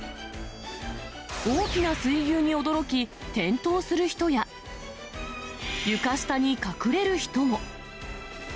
大きな水牛に驚き、転倒する人や、床下に隠れる人も。